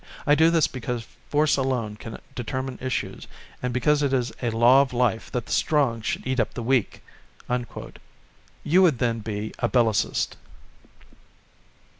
I do this because force alone can determine issues, and because it is a law of life that the strong should eat up the weak." You would then be a Bellicist.